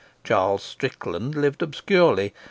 Charles Strickland lived obscurely.